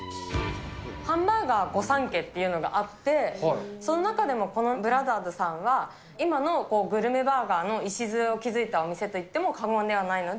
ハンバーガー御三家っていうのがあって、その中でもこのブラザーズさんは、今のグルメバーガーの礎を築いたお店と言っても過言ではないので。